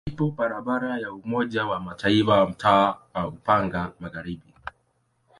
Ipo barabara ya Umoja wa Mataifa mtaa wa Upanga Magharibi.